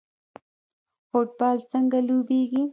فوټبال څنګه لوبیږي؟